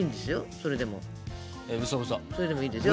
それでもいいですよ